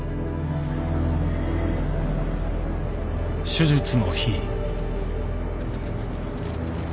手術の日。